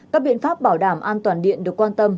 các biện pháp bảo đảm an toàn điện được quan tâm